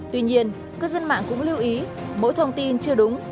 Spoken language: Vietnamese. tuy nhiên cư dân mạng cũng lưu ý mỗi thông tin chưa đúng